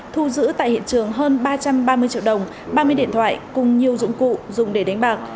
thu giữ tại hiện trường hơn ba trăm ba mươi triệu đồng ba mươi điện thoại cùng nhiều dụng cụ dùng để đánh bạc